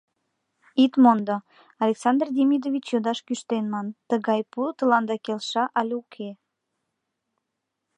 Ит мондо, Александр Демидович йодаш кӱштен, ман: тыгай пу тыланда келша але уке?